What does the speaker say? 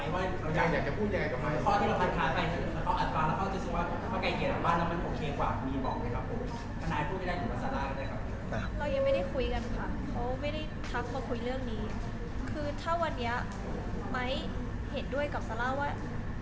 ไม่ได้ทักมาคุยเรื่องนี้คือถ้าวันนี้ไมค์เห็นด้วยกับซาร่าว่า